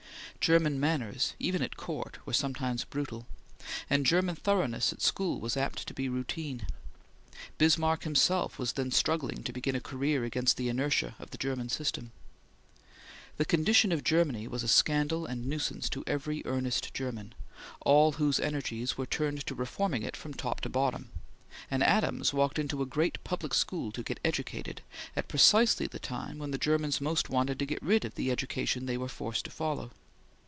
German manners, even at Court, were sometimes brutal, and German thoroughness at school was apt to be routine. Bismarck himself was then struggling to begin a career against the inertia of the German system. The condition of Germany was a scandal and nuisance to every earnest German, all whose energies were turned to reforming it from top to bottom; and Adams walked into a great public school to get educated, at precisely the time when the Germans wanted most to get rid of the education they were forced to follow.